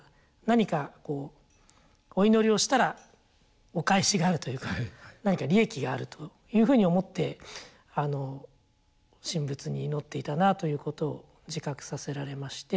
何かお祈りをしたらお返しがあるというか何か利益があるというふうに思って神仏に祈っていたなということを自覚させられまして。